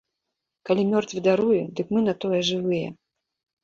Калі мёртвы даруе, дык мы на тое жывыя!